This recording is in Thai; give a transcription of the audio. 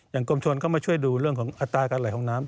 กรมชนก็มาช่วยดูเรื่องของอัตราการไหลของน้ำ